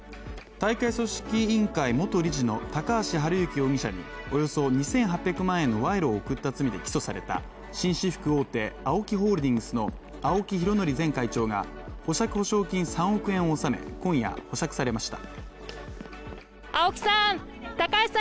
大会組織委員会元理事の高橋治之容疑者におよそ２８００万円の賄賂を贈った罪で起訴された紳士服大手・ＡＯＫＩホールディングスの青木拡憲前会長が保釈保証金３億円を納め今夜、保釈されました。